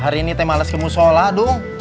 hari ini teh males kemusola dong